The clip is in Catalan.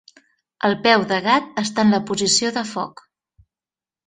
El peu de gat està en la posició de foc.